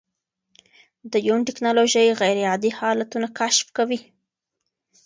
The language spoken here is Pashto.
د یون ټېکنالوژي غیرعادي حالتونه کشف کوي.